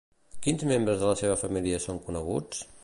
Quins membres de la seva família són coneguts?